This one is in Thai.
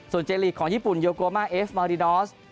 ส่วนเจลีกของญี่ปุ่นโยโกมาเอฟมาริดอส